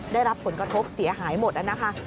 ได้รับผลกระทบเสียหายหมดนะคะ